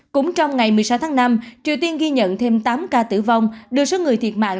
cũng trong ngày một mươi sáu tháng năm triều tiên ghi nhận thêm tám ca tử vong đưa số người thiệt mạng